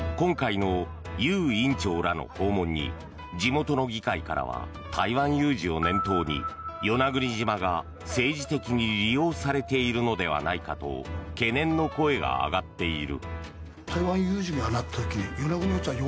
一方今回のユウ院長らの訪問に地元の議会からは台湾有事を念頭に与那国島が政治的に利用されているのではないかと懸念の声が上がっている。